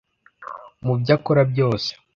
Mu byo akora byose